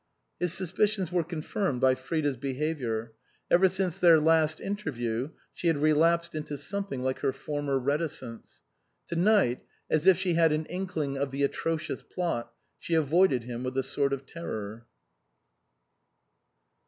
His suspicions were confirmed by Frida's be haviour. Ever since their last interview she had relapsed into something like her former reticence. To night, as if she had an inkling of the atrocious plot, she avoided him with a sort of terror.